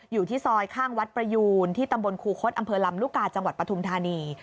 อยู่ที่ซอยข้างวัดประยูนที่ตำบลครูคดอำเภอลำลูกกาจังหวัดปฐุมธานี